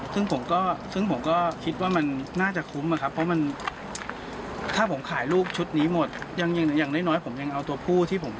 ซึ่งผมก็คิดว่ามันน่าจะคุ้มนะครับ